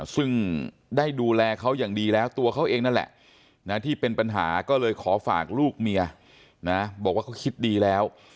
ซึ่งได้ดูแลเขาอย่างดีแล้วตัวเขาเองนั่นแหละที่เป็นปัญหาก็เลยขอฝากลูกเมียนะบอกว่าเขาคิดดีแล้ว